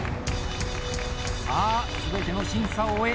さあ、全ての審査を終え